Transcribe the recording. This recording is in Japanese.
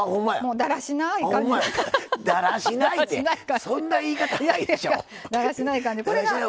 だらしないってそんな言い方ないでしょ。